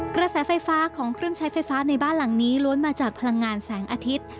กระแสไฟฟ้าของเครื่องใช้ไฟฟ้าในบ้านหลังนี้ล้วนมาจากพลังงานแสงอาทิตย์